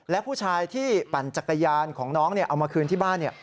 และผู้ชายที่ปั่นจักรยานของน้องเอามาคืนที่บ้าน